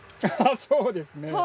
ああそうですね。